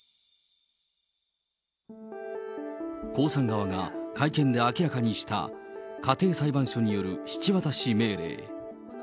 江さん側が会見で明らかにした家庭裁判所による引き渡し命令。